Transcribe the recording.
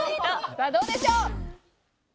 さあどうでしょう？